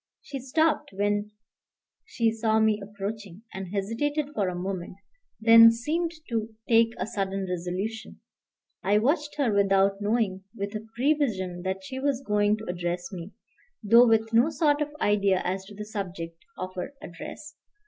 She stopped when she saw me approaching, and hesitated for a moment, then seemed to take a sudden resolution. I watched her without knowing, with a prevision that she was going to address me, though with no sort of idea as to the subject of her address.